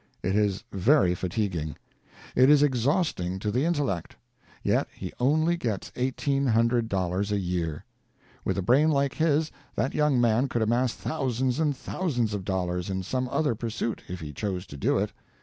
It is very fatiguing. It is exhausting to the intellect. Yet he only gets eighteen hundred dollars a year. With a brain like his, that young man could amass thousands and thousands of dollars in some other pursuit, if he chose to do it.